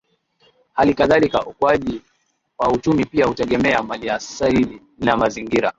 Hali kadhalika ukuaji wa uchumi pia hutegemea maliasili na mazingira